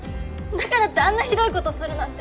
だからってあんなひどいことするなんて！